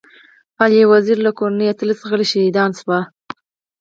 علي وزير له کورنۍ اتلس غړي شهيدان ورکړي.